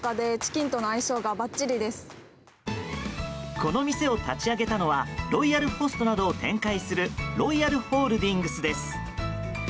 この店を立ち上げたのはロイヤルホストなどを展開するロイヤルホールディングスです。